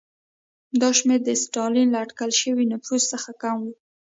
دا شمېر د ستالین له اټکل شوي نفوس څخه کم و.